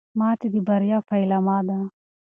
ماتې د بریا پیلامه ده.